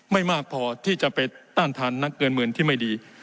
ไม่มากพอที่จะไปต้านทานนักเกินหมื่นที่ไม่ดี